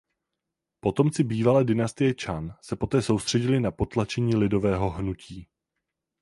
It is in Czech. Potomci bývalé dynastie Chan se poté soustředili na potlačení lidového hnutí.